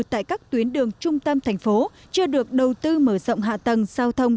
tại các tuyến đường trung tâm thành phố chưa được đầu tư mở rộng hạ tầng giao thông